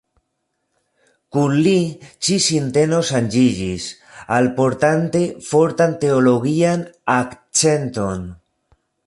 Kun li, ĉi- sinteno ŝanĝiĝis, alportante fortan teologian akcenton.